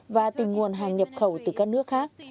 và tìm nguồn hàng nhập khẩu từ các nước khác